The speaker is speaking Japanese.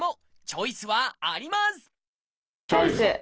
チョイス！